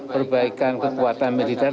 perbaikan kekuatan militer